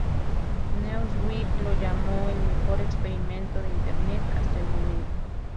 Newsweek lo llamó "el mejor experimento de Internet hasta el momento".